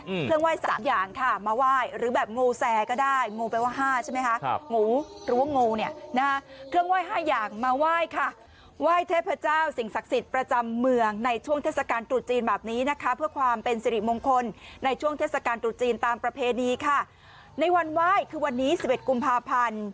เครื่องไหว้สามอย่างค่ะมาไหว้หรือแบบงูแซก็ได้งูแปลว่าห้าใช่ไหมคะครับงูหรือว่างูเนี่ยนะฮะเครื่องไหว้ห้าอย่างมาไหว้ค่ะไหว้เทพเจ้าสิ่งศักดิ์สิทธิ์ประจำเมืองในช่วงเทศกาลตรุษจีนแบบนี้นะคะเพื่อความเป็นสิริมงคลในช่วงเทศกาลตรุษจีนตามประเพณีค่ะในวันไหว้คือวันนี้สิบเอ็ดกุมภาพันธ์